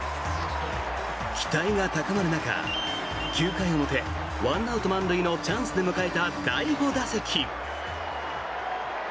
期待が高まる中９回表１アウト満塁のチャンスで迎えた第５打席。